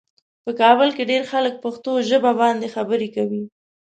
په کابل کې ډېر خلک پښتو ژبه باندې خبرې کوي.